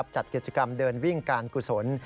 จัดกิจกรรมเดินวิ่งการกุศล